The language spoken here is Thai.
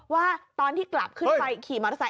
ว่าตอนที่กลับขึ้นไปขี่มอเตอร์ไซค